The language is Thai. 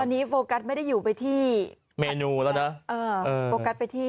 ตอนนี้โฟกัสไม่ได้อยู่ไปที่เมนูแล้วนะ